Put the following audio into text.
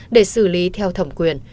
để xử lý theo thẩm quyền